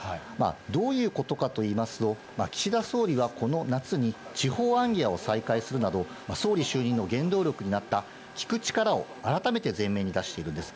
どういうことかといいますと、岸田総理はこの夏に、地方行脚を再開するなど、総理就任の原動力になった聞く力を改めて前面に出しているんです。